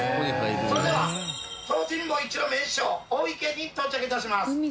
それでは東尋坊一の名所大池に到着致します。